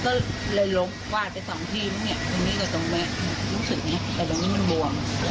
รู้สึกอย่างนี้แต่ตรงนี้มันบวง